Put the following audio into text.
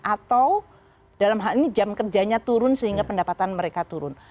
atau dalam hal ini jam kerjanya turun sehingga pendapatan mereka turun